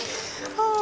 ああ。